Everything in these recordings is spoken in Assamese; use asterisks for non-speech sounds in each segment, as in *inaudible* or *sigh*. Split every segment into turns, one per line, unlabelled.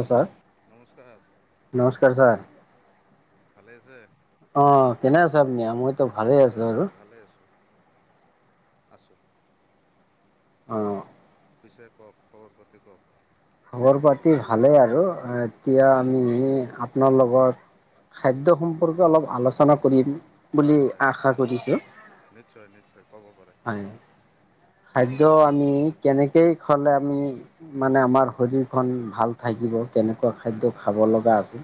অঁ ছাৰ।
নমস্কাৰ ছাৰ।
নমস্কাৰ ছাৰ।
ভালে আছে?
অঁ কেনে আছে আপুনি? মই
আছোঁ আছো ভালে আছোঁ, আছোঁ।
অঁ।
পিছে কওক খবৰ পাতি কওঁক।
খবৰ পাতি ভালে আৰু, এতিয়া
আচ্ছা
আমি
আচ্ছা
আপোনাৰ লগত, খাদ্য সম্পৰ্কে অলপ আলোচনা কৰিম বুলি
হয় হয়
আশা
নিশ্চয়
কৰিছো,
নিশ্চয় নিশ্চয় ক'ব পাৰে
হয়। খাদ্য আমি কেনেকেই খালে আমি মানে আমাৰ শৰীৰখন ভাল থাকিব? কেনেকুৱা
হয়
খাদ্য
হয়
খাব লগা
হয়
আছে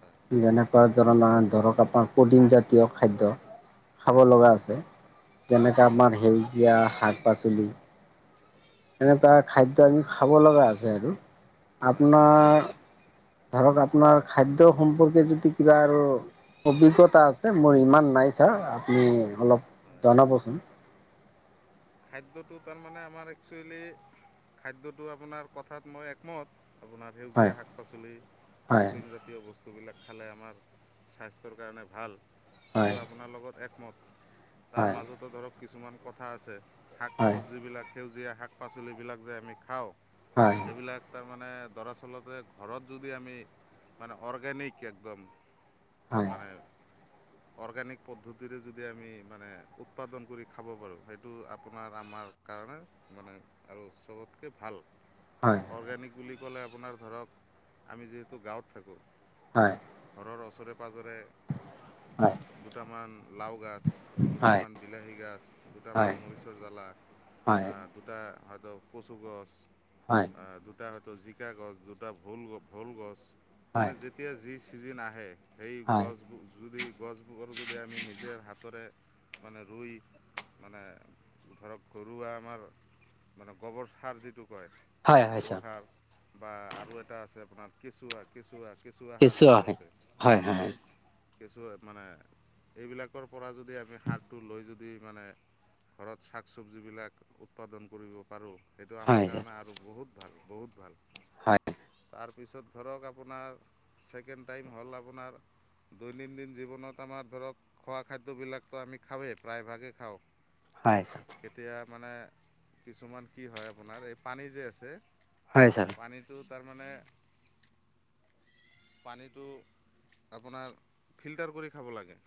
হয়
যেনে কোৱা ধৰণৰ ধৰক আপোনাৰ প্ৰটিন জাতীয় খাদ্য খাব
হয়
লগা আছে,
হয়
যেনেকে আমাৰ সেউজীয়া শাক পাচলি এনেকুৱা খাদ্য আমি খাব লগা আছে আৰু,
হয় হয়
আপোনাৰ ধৰক আপোনাৰ খাদ্য সম্পৰ্কে যদি কিবা আৰু অভিজ্ঞতা আছে মোৰ ইমান নাই ছাৰ, আপুনি অলপ
হয়
জনাবচোন।
খাদ্যটো তাৰমানে আমাৰ একচুৱেলি খাদ্যটো আপোনাৰ কথাত মই একমত, আপোনাৰ
হয়
সেউজীয়া শাক পাচলি
হয়
প্ৰ'টিন জাতীয় জাতীয় বস্তুবিলাক খালে আমাৰ স্বাস্থ্যৰ কাৰণে ভাল।
হয়
সেইটো আপোনাৰ লগত একমত, তাৰ
হয়
মাজতো ধৰক কিছুমান কথা আছে। শাক
হয়
চবজিবিলাক সেউজীয়া শাক-পাচলিবিলাক যে আমি খাওঁ।
হয়',।
এইবিলাক তাৰমানে দৰাচলতে ঘৰত যদি আমি, মানে অৰ্গেনিক একদম
হয়
মানে অৰ্গেনিক পদ্ধতিৰে যদি আমি মানে উৎপাদন কৰি খাব পাৰোঁ, সেইটো আপোনাৰ আমাৰ কাৰণে মানে আৰু চবতকৈ ভাল।
হয়',।
অৰ্গেনিক বুলি ক'লে আপোনাৰ ধৰক, আমি যিহেতু গাঁৱত থাকোঁ।
হয়',।
ঘৰৰ ওচৰে পাঁজৰে
অ *unintelligible*
দুটামান লাও গছ,
হয়
দুটামান বিলাহী গছ, দুটামান মৰিচৰ জ্বালা।
হয়',।
আহ, দুটা হয়তো কচু গছ
হয়',।
দুটা হয়তো জিকা গছ, দুটা ভোল ভোল গছ, মানে যেতিয়া যি ছিজন আহে, সেই গছবোৰ যদি গছবোৰ যদি আমি নিজে হাতেৰে, মানে ৰুই মানে ধৰক ঘৰুৱা আমাৰ, মানে গোবৰ সাৰ যিটো কয়।
হয় হয়
গবৰ
ছাৰ
সাৰ বা আৰু এটা আছে কেঁচুৰৱা সাৰ কেঁচুৰ সাৰ। কেঁচুৰ সাৰ যিটো আছে হয়',। কিছু মানে এইবিলাকৰ পৰা যদি আমি সাৰটো লৈ যদি মানে ঘৰত শাক-চবজিবিলাক উৎপাদন কৰিব পাৰোঁ। সেইটো
হয়
আমাৰ
ছাৰ
কাৰণে আৰু বহুত ভাল বহুত ভাল।
হয়
তাৰপিছত ধৰক আপোনাৰ ছেকেণ্ড টাইম হ'ল আপোনাৰ দৈনন্দিন জীৱনত আমাৰ ধৰক, খোৱা খাদ্যবিলাকতো আমি খাওঁৱেই প্ৰায়ভাগেই খাওঁ।
হয়', ছাৰ।
কেতিয়া মানে কিছুমান কি হয় আপোনাৰ, এই পানী যে আছে
হয়', ছাৰ।
পানীটো তাৰমানে, পানীটো আপোনাৰ ফিল্টাৰ কৰি খাব লাগে।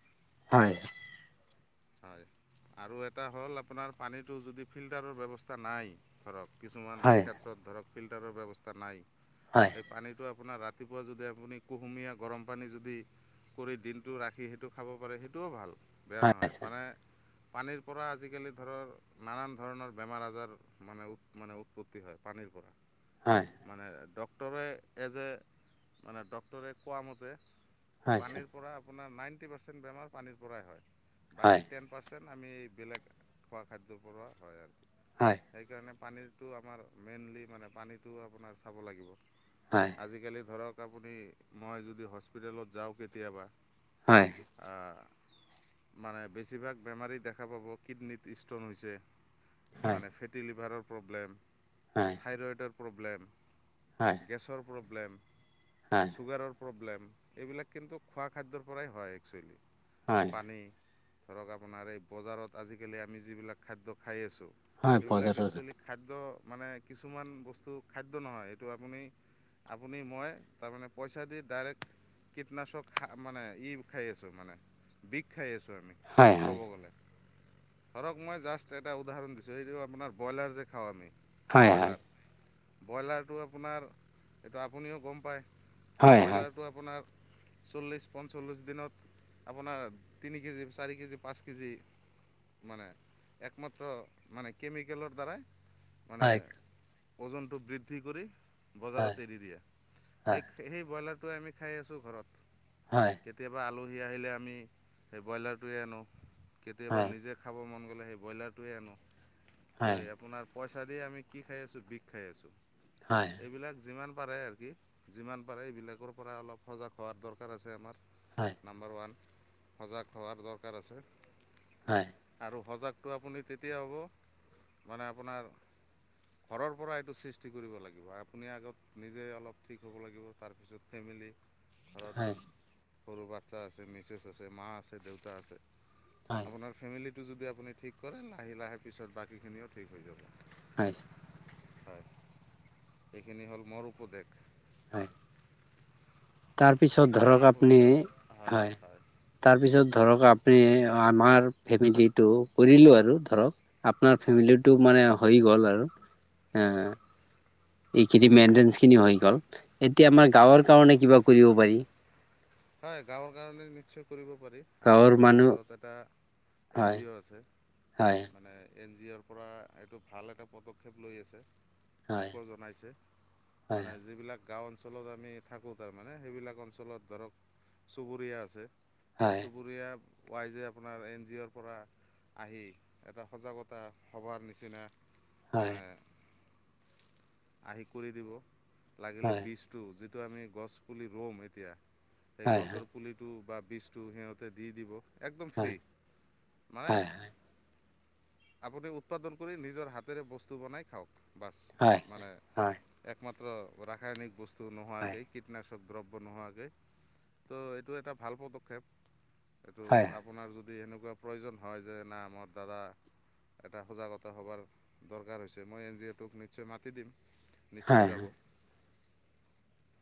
হয়',।
হয়', আৰু এটা হ'ল আপোনাৰ পানীটো যদি ফিল্টাৰৰ ব্যৱস্থা নাই। ধৰক
হয়
কিছুমান
হয়
ক্ষেত্ৰত ধৰক, ফিল্টাৰৰ ব্যৱস্থা নাই।
হয়',।
সেই পানীটো আপোনাৰ ৰাতিপুৱা যদি, আপুনি কুহুমীয়া গৰম পানী যদি দিনটো ৰাখি সেইটো খাব পাৰে সেইটোও ভাল, বেয়া
হয়
নহয়
ছাৰ
মানে পানীৰ পৰা আজিকালি ধৰক নানান ধৰণৰ বেমাৰ-আজাৰ, মানে উৎ মানে উৎপত্তি হয়' পানীৰ পৰা।
হয়।
মানে ডক্টৰে এযে, মানে ডক্টৰে কোৱা মতে।
হয় ছাৰ
পানীৰ পৰা আপোনাৰ নাইণ্টি পাৰ্চেণ্ট বেমাৰ পানীৰ পৰাই হয়। বাকী টেন পাৰ্চেণ্ট আমি বেলেগ খোৱা খাদ্যৰ পৰা হয় আৰু। সেইকাৰণে পানীটো আমাৰ মেইনলি, মানে পানীটো আপোনাৰ চাব লাগিব।
হয়।
আজিকালি ধৰক আপু, নি মই যদি হস্পিটেলত যাওঁ কেতিয়াবা।
হয়।
মানে বেছিভাগ বেমাৰী দেখা পাব কিডনিত ষ্ট'ন হৈছে। মানে ফেটি লিভাৰৰ প্ৰব্লেম।
হয়।
থ্ৰাইৰয়েদৰ প্ৰব্লেম।
হয়।
গেছৰ প্ৰব্লেম।
হয়।
চুগাৰৰ প্ৰব্লেম এইবিলাক কিন্তু খোৱা খাদ্যৰ পৰাই হয় একচুৱেলি। পানী ধৰক আপোনাৰ এই বজাৰত আজিকালি আমি যিবিলাক খাদ্য খাই আছোঁ। সেইবিলাক একচুৱেলি খাদ্য মানে কিছুমান বস্তু খাদ্য নহয়, এইটো আপুনি আপুনি মই, তাৰমানে পইচা দি ডাইৰেক্ট কীটনাশক ষা মানে ই খাই আছোঁ মানে, বিষ খাই আছোঁ আমি। ক'ব গ'লে। ধৰক মই জাষ্ট এটা উদাহৰণ দিছোঁ এইটো আপোনাৰ ব্ৰইলাৰ যে খাওঁ আমি, ব্ৰইলাৰ। ব্ৰইলাৰটো আপোনাৰ, এইটো আপুনিও গম পায়। ব্ৰইলাৰটো আপোনাৰ চল্লিছ পঞ্চল্লিছ দিনত আপোনাৰ তিনি কেজি, চাৰি কেজি, পাঁচ কেজি মানে একমাত্ৰ মানে কেমিকেলৰ দ্বাৰাই মানে ওজনটো বৃদ্ধি কৰি বজাৰত এৰি দিয়ে। সেখ সেই ব্ৰইলাৰটোৱে আমি খাই আছোঁ ঘৰত।
হয়।
কেতিয়াবা আলহী আহিলে আমি, সেই ব্ৰইলাৰটোৱে আনো। কেতিয়াবা নিজে খাব মন গ'লে সেই ব্ৰইলাৰটোৱে আনো। তো এই আপোনাৰ পইচা দিয়ে আমি কি খাই আছোঁ? বিষ খাই আছোঁ।
হয়।
এইবিলাক যিমান পাৰে আৰু কি, যিমান পাৰে এইবিলাকৰ পৰা অলপ সজাগ হোৱাৰ দৰকাৰ আছে আমাৰ। নাম্বাৰ ওৱান, সজাগ হোৱাৰ দৰকাৰ আছে।
হয়।
আৰু সজাগটো আপুনি তেতিয়া হ'ব, মানে আপোনাৰ
*inaudible*
ঘৰৰ পৰা এইটো সৃষ্টি কৰিব লাগিব। আপুনি আগত নিজে অলপ ঠিক হ'ব লাগিব, তাৰপিছত ফেমিলি ঘৰত সৰু বাচ্ছা আছে, মিছেছ আছে, মা আছে দেউতা আছে, আপোনাৰ ফেমিলিটো যদি আপুনি ঠিক কৰে লাহে, লাহে পিছত বাকীখিনিও ঠিক হৈ যাব।
হয়।
হয়, সেইখিনি হ'ল মোৰ উপদেশ।
হয়। তাৰপিছত ধৰক আপুনি হয়, তাৰপিছত
কওক
ধৰক আপ আপুনি আ, ফেমিলিটো কৰিলো ধৰক, আপোনাৰ
হয়
ফেমিলি টো মানে হৈ গ'ল আৰু এ
হয়
এইখিনি মেইনটেনছ খিনি হৈ গ'ল, এতিয়া
হয়
আমাৰ গাঁৱৰ কাৰণে কিবা কৰিব পাৰি।
হয়, গাঁৱৰ কাৰণে নিশ্চয় কৰিব পাৰি। আমাৰ
গাঁৱৰ
ঘৰৰ
মানুহ
ওচৰত এটা এন
হয়
জি অ' আছে,
হয়
মানে এন জি অ'ৰ পৰা এইটো ভাল এটা পদক্ষেপ লৈ আছে।
হয়
মোকো জনাইছে,
হয়
মানে যিবিলাক গাঁও অঞ্চলত আমি থাকোঁ তাৰমানে, সেইবিলাক অঞ্চলত ধৰক চুবুৰীয়া আছে। এই
হয়
চুবুৰীয়া ৱাইজে আপোনাৰ এন জি অ'ৰ পৰা। আহি এটা সজাগতা সভাৰ নিচিনা মানে
হয়
আহি কৰি দিব, লাগিলে
হয় হয়
বিশ টো যিটো আমি গছ পুলি ৰুম এতিয়া সেই
হয় হয়
গছৰ পুলিটো বা বীজটো সিহঁতে দি দিব। একদম ফ্ৰী
হয়
মানে
হয় হয়
আপুনি উৎপাদন কৰি নিজৰ হাতেৰে বস্তু বনাই খাওঁক, বাছ
হয়
মানে একমাত্ৰ ৰাসায়নিক বস্তু নোহোৱাকে কীটনাশক দ্ৰব্য নোহোৱাকৈ ত' এইটো এটা ভাল পদক্ষেপ, এইটো
হয় হয়
আপোনাৰ যদি এনেকুৱা প্ৰয়োজন হয় যে না মোৰ দ্বাৰা এটা সজাগতা সভাৰ দৰকাৰ হৈছে, মই যিহেতু এন জি অ'টোক নিশ্চয় মাতি দিম। নিশ্চয় যাব,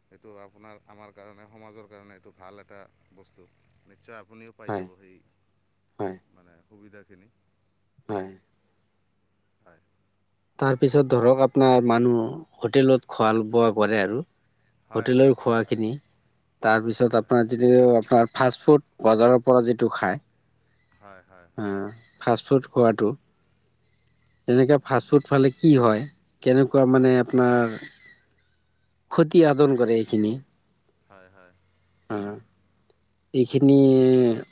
সেইটো আপোনাৰ আমাৰ কাৰণে সমাজৰ কাৰণে। ভাল এটা বস্তু নিশ্চয় আপুনিও পাই
হয়
যাব সেই। মানে সুবিধাখিনি।
হয়।
হয়।
তাৰপিছত ধৰক আপোনাৰ মানুহ হোটেলত খোৱা বোৱা কৰে আৰু।
হয় হয়
হোটেলৰ
হয় হয়
খোৱাখিনি, তাৰ পিছত
হয়
আপোনাৰ যি আপোনাৰ ফাষ্ট ফুড বজাৰৰ পৰা যিটো খায়।
হয় হয়
হা
হয়
ফাষ্ট ফুড খোৱাতটো এনেকে ফা স্ত ফুদ খালে কি হয় কেনেকুৱা মানে
হয়
আপোনাৰ, ক্ষতি সাধন কৰে এইখিনি।
হয় হয়।
হয়। এইখিনি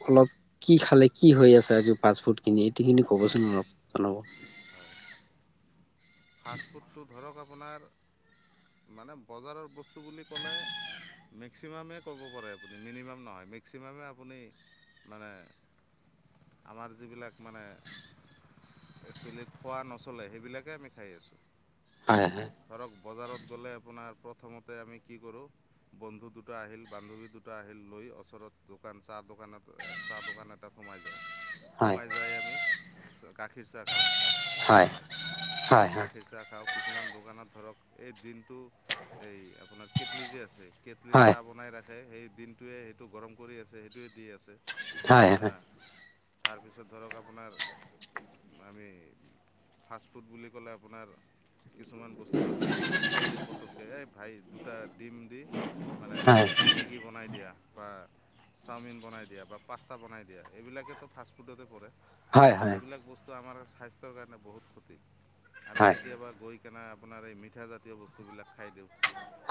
ফলত কি খালে কি হৈ আছে আজি ফাষ্ট ফুড খিনি। গোটেইখিনি ক'বচোন
হয়
অলপ জনাব।
হয়। ফাষ্টফুডটো ধৰক আপোনাৰ মানে বজাৰৰ বস্তু বুলি ক'লে, মেক্সিমামেই ক'ব পাৰে, আপুনি মিনিমাম নহয় মেক্সিমামে আপুনি মানে আমাৰ যিবিলাক মানে একচুৱেলি খোৱা নচলে, সেইবিলাকে আমি খাই আছোঁ।
হয় হয়।
ধৰক বজাৰত গ'লে আপোনাৰ প্ৰথমতে আমি কি কৰো। বন্ধু দুটা আহিল, বান্ধৱী দুটা আহিল লৈ ওচৰত দোকান চাহ দোকানত চাহ দোকান এটাত সোমাই যাওঁ,
হয়
সোমাই যাই আমি গাখীৰ চাহ খাওঁ।
হয়।
হয়নে নাই
হয়
গাখীৰ চাহ খাওঁ, কিছুমান দোকানত ধৰক এই দিনটো এই আপোনাৰ কেটলি যে আছে। কেটলিত
হয় হয়
চাহ বনাই ৰাখে, সেই দিনটোৱে সেইটো গৰম কৰি আছে সেইটোৱে দি আছে।
হয়
হা। তাৰপিছত ধৰক আপোনাৰ আমি ফাষ্ট ফুড বুলি ক'লে আপোনাৰ কিছুমান বস্তু আছে আমি খাই দিওঁ পটক এই ভাই দুটা ডিম দি মানে মেগী বনাই দিয়া বা চাওমিন বনাই দিয়া বা পাষ্টা বনাই দিয়া এইবিলাকেতো ফাষ্টফুডতে পৰে।
হয় হয় হয় হয় হয়
এইবিলাক বস্তু স্বাস্থ্যৰ কাৰণে বহুত ক্ষতি। আমি কেতিয়াবা গৈ কেনা আপোনাৰ এই মিঠা জাতীয় বস্তুবিলাক খাই দিওঁ।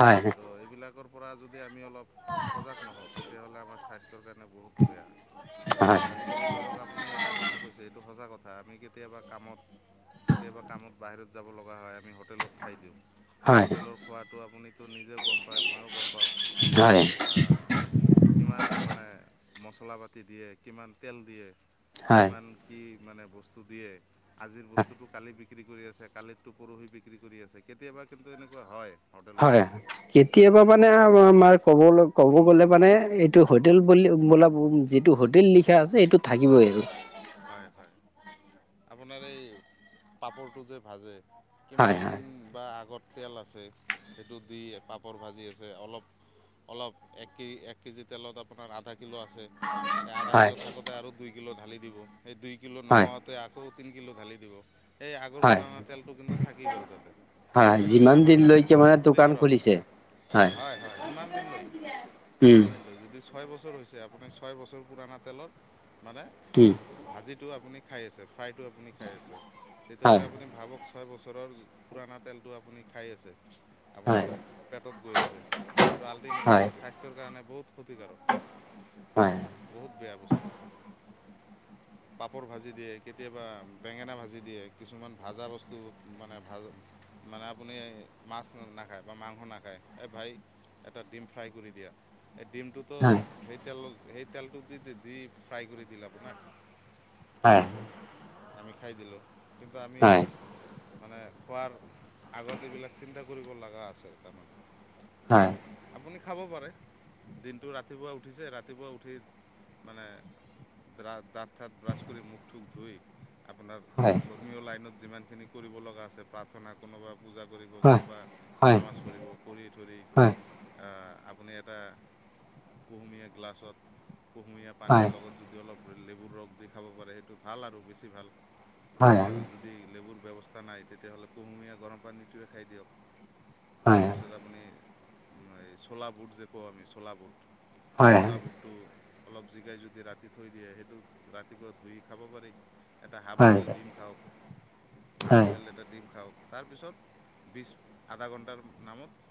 হয় হয়।
ত' এইবিলাকৰ পৰা যদি আমি অলপ সজাগ নহওঁ তেতিয়াহ'লে আমাৰ স্বাস্থ্যৰ কাৰণে বহুত বেয়া।
হয়।
আজিকালি ধৰক আপুনি এটা কথা কৈছে এইটো সঁচা কথা আমি কেতিয়াবা কামত কেতিয়াবা কামত বাহিৰত যাব লগা হয় আমি হোটেলত খাই দিওঁ হোটেলৰ খোৱাটো আপুনিতো নিজে গম পায় ময়ো গম পাওঁ।
হয়।
হা, কিমান মানে মচলা পাতি দিয়ে কিমান তেল দিয়ে।
হয়
কিমান কি মানে বস্তু দিয়ে আজিৰ বস্তুটো কালি বি বিক্ৰী কৰি আছে কালিৰটো পৰহি বিক্ৰী কৰি আছে কেতিয়াবা কিন্তু এনেকুৱা হয়। হোটেলত
হয়
হয়
কেতিয়াবা মা *unintelligible* আমাৰ ক'বলৈ ক'ব গ'লে মানে এইটো হোটেল বুলি বোলা যিটো হোটেল লিখা আছে সেইটো
হয় হয় হয়। আপোনাৰ এই পাপৰটো যে ভাজে
হয়
কিমান
হয়
দিন বা আগত তেল আছে সেইটো দি পাপৰ ভাজি আছে অলপ অলপ এক কে এক কেজি তেলত আপোনাৰ আধা কিল' আছে। এ
হয়,
আধাকিলো থাকোঁতে আৰু দুইকিলো ঢালি দিব। সেই দুইকিলো
হয়,
নোহোৱাওঁতে আকৌ তিনকিলো ঢালি দিব। এই আগৰ
হয়,
পুৰণা তেলটো কিন্তু থাকি গ'ল তাতে।
হয়,
সেইটো যে
যিমান
আমাৰ কাৰণে
দিনলৈকে
কিমান
মানে দোকান
ক্ষতিকাৰক
খুলিছে।
হয় হয় সিমান দিন লৈ সিমান
উম,
দিন লৈ যদি চ ছয় বছৰ হৈছে আপুনি ছয় বছৰ পুৰণা তেলৰ মানে
উম,
ভাজিটো আপুনি খাই আছে, ফ্ৰাইটো আপুনি খাই আছে, তেতিয়া
হয়,
হ'লে আপুনি ভাবক ছয় বছৰৰ পুৰণা তেলটো আপুনি খাই আছে আপোনাৰ
হয়,
পেটত গৈ আছে, এইটো আল্টিমেটলি
হয়,
স্বাস্থ্যৰ কাৰণে বহুত ক্ষতিকাৰক।
হয়।
বহুত বেয়া বস্তু, পাপৰ ভাজিত দিয়ে, কেতিয়াবা বেঙেনা ভাজি দিয়ে, কিছুমান ভাজা বস্তু, মানে ভাজা মানে আপুনি মাছ নাখায় বা মাংস নাখায়, এই ভাই এটা ডিম ফ্ৰাই কৰি দিয়া, এই ডিমটোত ত'
হয়,
সেই তেল সেই তেলটো দি, দি ফ্ৰাই কৰি দিলে আপোনাক।
হয়।
আমি খাই দিলোঁ। কিন্তু আমি
হয়, হয়,
মানে খোৱাৰ আগত এইবিলাক চিন্তা কৰিব লগা আছে তাৰমানে।
হয়।
আপুনি খাব পাৰে, দিনটো ৰাতিপুৱা উঠিছে, ৰাতিপুৱা উঠি মানে দ্ৰা, দাঁত-থাঁত ব্ৰাছ কৰি মুখ-থুক ধুই আপোনাৰ
হয়।
ধৰ্মীয় লাইনত যিমানখিনি কৰিব লগা আছে, প্ৰাৰ্থনা কোনোবা পূজা কৰিব
হয়,
কোনোবা
হয়,
নামাজ পঢ়িব কৰি থৰি
হয়,
আ, আপুনি এটা কুহুমীয়া গ্লাছত, কুহুমীয়া
হয়, হয়,
পানীৰ
হয়,
লগত যদি অলপ লেবুৰ ৰস দি খাব পাৰে সেইটো ভাল আৰু বেছি ভাল,
হয়, হয়। হয়,
যদি লেবুৰ ব্যৱস্থা নাই তেতিয়াহ'লে কুহুমীয়া গৰম পানীটোৱে খাই দিয়ক।
হয়, হয়,
তাৰপিছত আপুনি এই, চোলা বুট যে কওঁ আমি চোলা বুট সেই চোলা বুটটো অলপ জিকাই যদি ৰাতি থৈ দিয়ে সেইটো ৰাতিপুৱা ধুই খাব পাৰি, এটা হাফ বইল ডিম খাওঁক। হাফ বইল এটা ডিম খাওঁক, তাৰপিছত বিশ আধা ঘণ্টাৰ নামত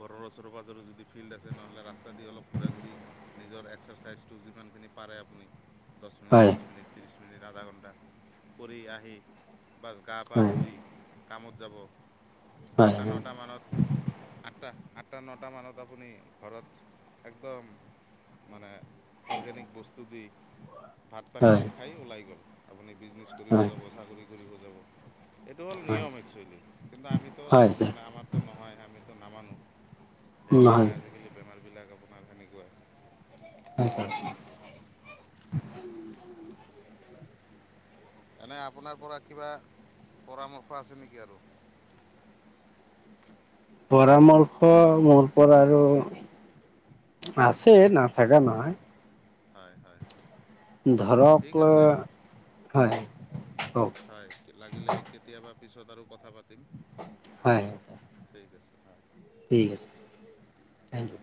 ঘৰৰ ওচৰ- পাজৰে যদি ফিল্ড আছে নহ'লে ৰাস্তা দি অলপ ঘূৰা-ঘূৰি নিজৰ এক্সাৰচাইজটো যিমানখিনি পাৰে আপুনি দহ
হয়,
মিনিট, বিশ মিনিট, ত্ৰিছ মিনিট, আধা ঘণ্টা। কৰি আহি, বাছ গা-পা ধুই কামত যাব। আঠটা, নটা মানত আঠটা, আঠটা, নটা মানত আপুনি ঘৰত একদম মানে অৰ্গেনিক বস্তু দি ভাত পানী খাই ওলাই গ'ল, আপুনি বিজনেছ কৰিব
হয়,
যাব, চাকৰি কৰিব যাব। এইটো হ'ল
হয়,
নিয়ম একচুৱেলি কিন্তু আমি
হয়,
ট'
ছাৰ।
মানে আমাৰটো নহয়, আমিতো নামানো, সেইকাৰণে
নহয়,
আজিকালি বেমাৰ বিলাক অপোনাৰ সেনেকুৱাই।
হয় চাৰ
এনে আপোনাৰ পৰা কিবা পৰামৰ্শ আছে নেকি আৰু
পৰামৰ্শ মোৰ পৰা আৰু আছে, নাথাকা নহয়
হয়, হয়। ঠিক
ধৰক,
আছে
হয়, কওঁক
হয় লাগিলে কেতিয়াবা পিছত আৰু কথা পাতিম।
হয়।
ঠিক আছে হয়।
ঠিক আছে। Thank U